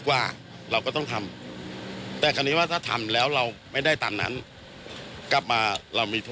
เขาคุยกับใครครับพี่